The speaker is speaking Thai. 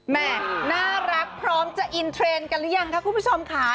แม่น่ารักพร้อมจะอินเทรนด์กันหรือยังคะคุณผู้ชมค่ะ